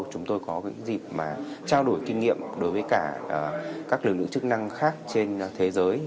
chúng tôi có dịp trao đổi kinh nghiệm đối với cả các lực lượng chức năng khác trên thế giới